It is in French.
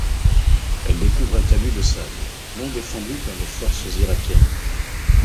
Elle découvre un talus de sable, non défendu par les forces irakiennes.